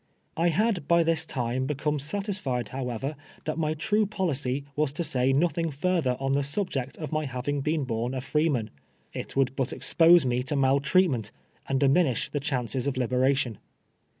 I had hy this time hecomo satisfied, however, that my true policy was to say no thing further on the suhject of my has'ing Leen horn a freeman. It would but expose me to mal treatmeut, and diminish the ciumces of liberation.